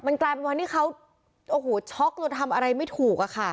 กลายเป็นวันที่เขาโอ้โหช็อกแล้วทำอะไรไม่ถูกอะค่ะ